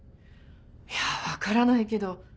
いやわからないけど。